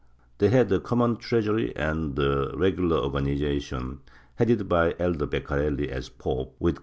They had a common treasury and a regular organization, headed by the elder Beccarelli as pope, with 1 Bemino, op.